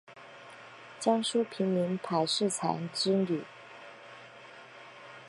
江苏平民柏士彩之女。